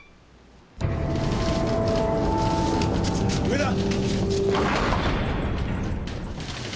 上だ！